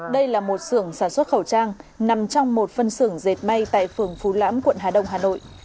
đây là một sưởng sản xuất khẩu trang nằm trong một phân xưởng dệt may tại phường phú lãm quận hà đông hà nội